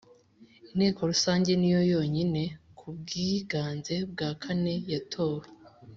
Inteko Rusange niyo yonyine ku bwiganze bwa kane yatowe